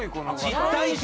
実体験。